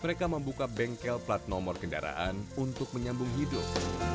mereka membuka bengkel plat nomor kendaraan untuk menyambung hidup